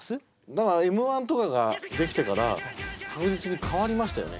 だから「Ｍ−１」とかができてから確実に変わりましたよね。